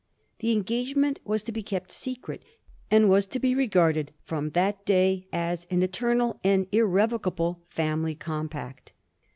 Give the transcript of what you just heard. The engagement was to be kept secret, and was to be regarded ^* from that day as an eternal and irrevocable family compact."